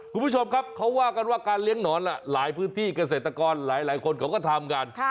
คุณผู้ชมครับเขาว่ากันว่าการเลี้ยงหนอนหลายพื้นที่เกษตรกรหลายคนเขาก็ทำกัน